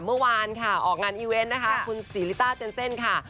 เมื่อวานค่ะออกงานอีเวนต์นะคะคุณศรีลิต้าเจนเซ่นค่ะ